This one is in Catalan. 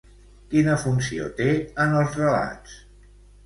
Quina funció té en els relats?